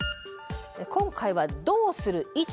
今回は「どうする？」